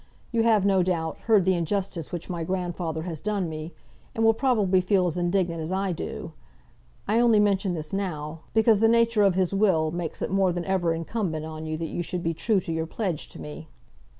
You have, no doubt, heard the injustice which my grandfather has done me, and will probably feel as indignant as I do. I only mention this now, because the nature of his will makes it more than ever incumbent on you that you should be true to your pledge to me.